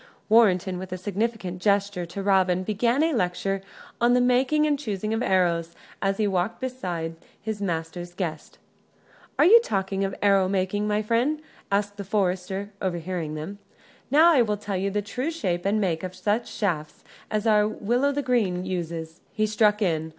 Warrenton, with significant gesture to Robin, began a lecture on the making and choosing of arrows, as he walked beside his master's guest. "Are you talking of arrow making, friend?" asked the forester, overhearing them. "Now I will tell you the true shape and make of such shafts as our Will o' th' Green uses," he struck in.